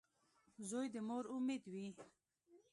• زوی د مور امید وي.